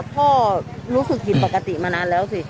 พ่อรู้สึกผิดปกติมานานแล้วสิ